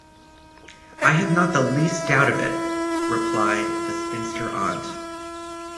‘I have not the least doubt of it,’ replied the spinster aunt.